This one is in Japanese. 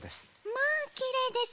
まあきれいですねえ。